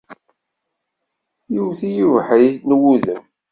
Yewwet-iyi ubeḥri n wudem.